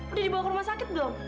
udah dibawa ke rumah sakit dong